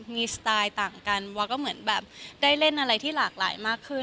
มีสไตล์ต่างกันวอก็เหมือนแบบได้เล่นอะไรที่หลากหลายมากขึ้น